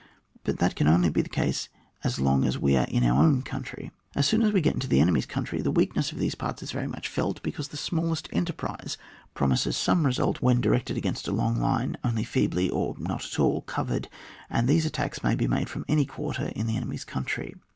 But that can only be the case as long as we are in our own country ; as soon as we get into the enemy's country, the weakness of these parts is felt very much, because the smallest enterprise promises some result when directed against a long line only feebly, or not all, covered; and these attacks may be made from any quarter in an enemy's country.